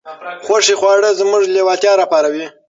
خوښې خواړه زموږ لېوالتیا راپاروي.